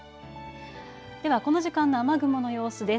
ではこの時間の雨雲の様子です。